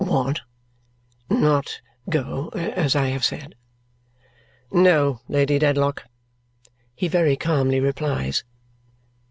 "What? Not go as I have said?" "No, Lady Dedlock," he very calmly replies.